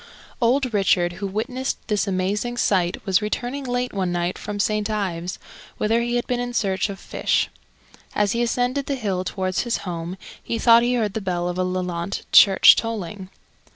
Old Richard, who witnessed this amazing sight, was returning late one night from St. Ives, whither he had been in search of fish. As he ascended the hill towards his home, he thought he heard the bell of Lelant church tolling.